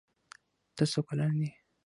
ته څو کلن یې؟